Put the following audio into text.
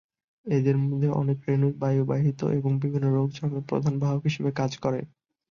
এদের মধ্যে অনেক রেণুই বায়ুবাহিত এবং বিভিন্ন রোগ ছড়ানোর প্রধান বাহক হিসেবে কাজ করে।